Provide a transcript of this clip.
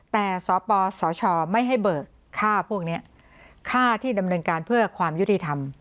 แต่สปสชไม่ให้เบิกค่าพวกนี้ค่าที่ดำเนินการเพื่อความยุติธรรม